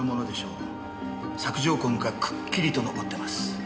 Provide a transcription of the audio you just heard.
索条痕がくっきりと残ってます。